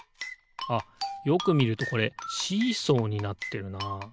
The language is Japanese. あっよくみるとこれシーソーになってるな。